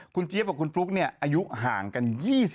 คุณเจี๊บกับคุณฟลุ๊กนี้อายุห่างกัน๒๗ปีนะฮะ